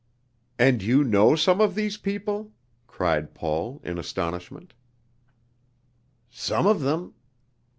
"And you know some of these people!" cried Paul in astonishment. "Some of them."